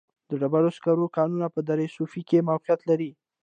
د ډبرو سکرو کانونه په دره صوف کې موقعیت لري.